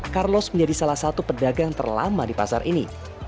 carlos menjadi salah satu pedagang terlama di pasar ini